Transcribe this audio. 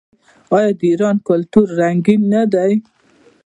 آیا د ایران کلتور رنګین نه دی؟